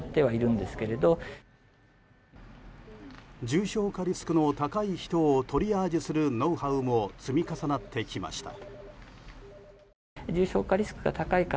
重症化リスクの高い人をトリアージするノウハウも積み重なってきました。